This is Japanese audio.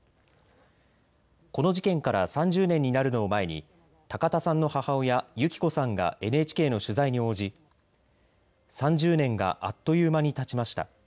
この事件から３０年になるのを前に高田さんの母親、幸子さんがＮＨＫの取材に応じ３０年があっという間にたちました。